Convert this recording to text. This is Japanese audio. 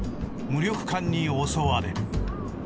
無力感に襲われる。